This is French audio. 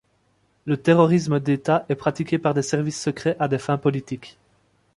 Le terrorisme d'État est pratiqué par des services secrets à des fins politiques.